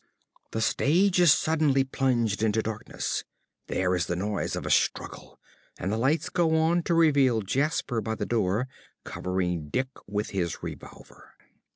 (The stage is suddenly plunged into darkness, there is the noise of a struggle, and the lights go on to reveal Jasper by the door covering Dick _with his revolver.